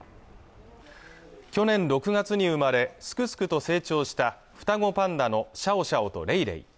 去年６月に生まれすくすくと成長した双子パンダのシャオシャオとレイレイ